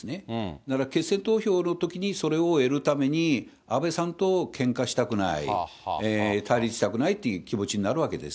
だから決選投票のときにそれを得るために安倍さんとけんかしたくない、対立したくないって気持ちになるわけです。